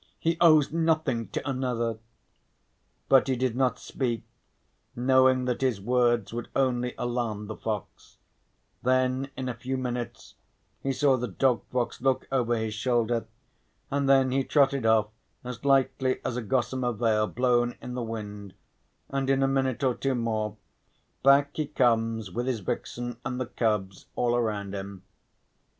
He owes nothing to another." But he did not speak, knowing that his words would only alarm the fox; then in a few minutes he saw the dog fox look over his shoulder, and then he trotted off as lightly as a gossamer veil blown in the wind, and, in a minute or two more, back he comes with his vixen and the cubs all around him.